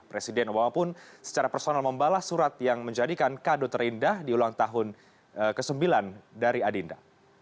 presiden obama pun secara personal membalas surat yang menjadikan kado terindah di ulang tahun ke sembilan dari adinda